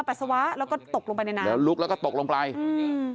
ปัสสาวะแล้วก็ตกลงไปในน้ำแล้วลุกแล้วก็ตกลงไปอืม